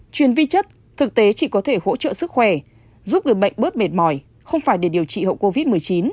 chuyên vi chất thực tế chỉ có thể hỗ trợ sức khỏe giúp người bệnh bớt mệt mỏi không phải để điều trị hậu covid một mươi chín